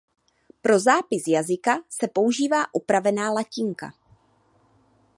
Pro zápis jazyka se používá upravená latinka.